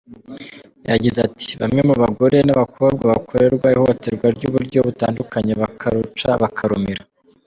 Yagize ati,"Bamwe mu bagore n’abakobwa bakorerwa ihohotera ry’uburyo butandukanye bakaruca bakarumira.